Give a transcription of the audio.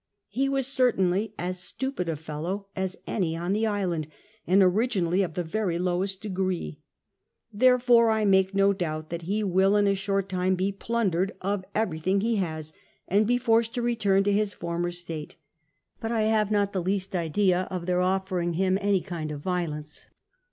He was certainly as stupid a fellow fis any on the island, and originally of the very lowest degree. Therefoiii I make no doubt but that he will ill a short time be plundered of everything he has, and be forced to return to his former state ; but I have not the least idea <»f their ofteriiig In*m any kind of violence.